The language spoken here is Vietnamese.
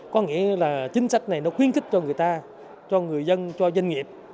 có nghĩa là chính sách này nó khuyến khích cho người ta cho người dân cho doanh nghiệp